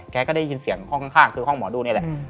แกก็ได้ยินเสียงข้างที่ห้องหมอดูนี้แหละ